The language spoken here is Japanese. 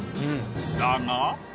だが。